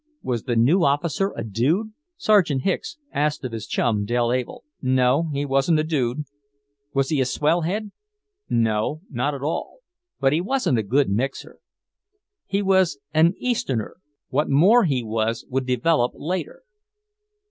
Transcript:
Was the new officer a dude? Sergeant Hicks asked of his chum, Dell Able. No, he wasn't a dude. Was he a swellhead? No, not at all; but he wasn't a good mixer. He was "an Easterner"; what more he was would develop later.